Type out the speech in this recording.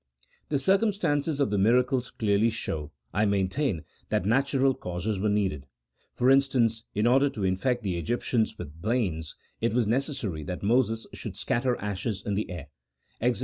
The circumstances of the miracles clearly show, I main tain, that natural causes were needed. For instance, in order to infect the Egyptians with blains, it was necessary CHAP. VI.] OF MIRACLES. 9f that Moses should scatter ashes in the air (Exod.